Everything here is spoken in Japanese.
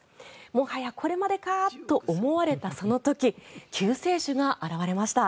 もはやこれまでかと思われたその時救世主が現れました。